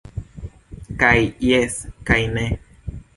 Kaj jes, kaj ne.